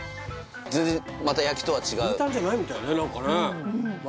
全然また焼きとは違う？